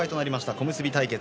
小結対決